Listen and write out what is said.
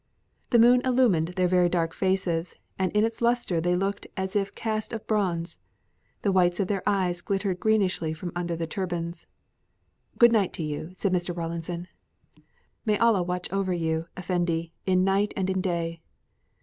The moon illumined their very dark faces, and in its luster they looked as if cast of bronze. The whites of their eyes glittered greenishly from under the turbans. "Good night to you," said Mr. Rawlinson. "May Allah watch over you, effendi, in night and in day."